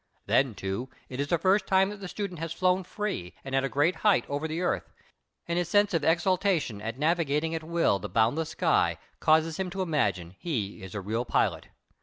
Then, too, it is the first time that the student has flown free and at a great height over the earth, and his sense of exultation at navigating at will the boundless sky causes him to imagine he is a real pilot.